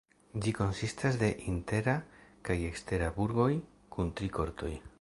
Ĝi konsistas de intera kaj ekstera burgoj kun tri kortoj.